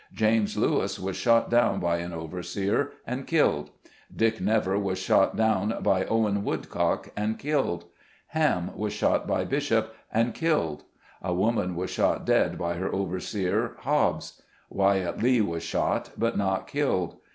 James Lewis was shot down by an overseer, and killed. Dick Never was shot down by Owen Wood cock, and killed. Ham was shot by Bishop, and killed. A woman was shot dead by our overseer Hobbs. Wyatt Lee was shot, but not killed.